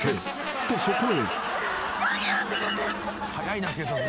［とそこへ］